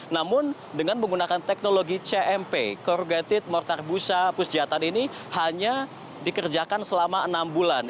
namun dengan menggunakan teknologi cmp corrugated mortar busa pusjatan ini hanya dikerjakan selama enam bulan